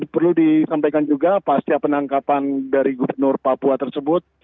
perlu disampaikan juga pasca penangkapan dari gubernur papua tersebut